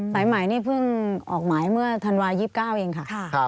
สายใหม่นี่เพิ่งออกหมายเมื่อธันวา๒๙เองค่ะ